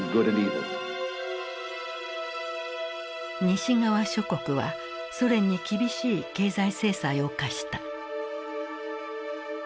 西側諸国はソ連に厳しい経済制裁を科した。